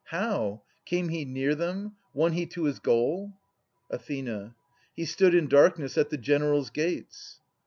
How ? Came he near them ? Won he to his goal ? Ath. He stood in darkness at the generals' gates.